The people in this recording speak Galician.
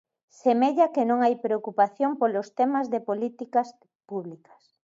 Semella que non hai preocupación polos temas de políticas públicas.